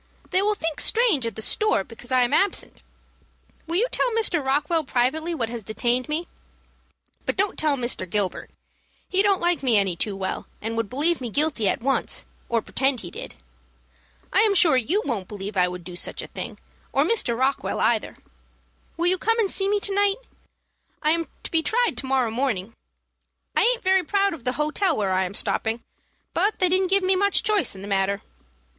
They will think strange at the store because I am absent. Will you tell Mr. Rockwell privately what has detained me; but don't tell Mr. Gilbert. He don't like me any too well, and would believe me guilty at once, or pretend he did. I am sure you won't believe I would do such a thing, or Mr. Rockwell either. Will you come and see me to night? I am to be tried to morrow morning. I aint very proud of the hotel where I am stopping, but they didn't give me much choice in the matter.